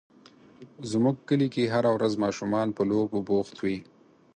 زموږ کلي کې هره ورځ ماشومان په لوبو بوخت وي.